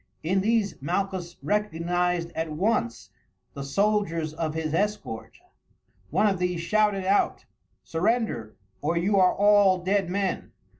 In these Malchus recognized at once the soldiers of his escort. One of these shouted out: "Surrender, or you are all dead men.